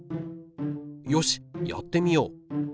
よしやってみよう。